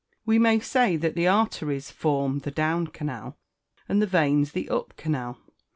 We may say that the arteries form the down canal, and the veins the up canal.